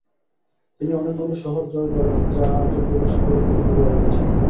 তিনি অনেকগুলো শহর জয় করেন যা আজও তুরস্কের অধীনে রয়ে গেছে।